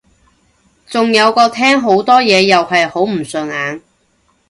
仲有個廳好多嘢又係好唔順眼